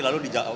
lalu di jaksa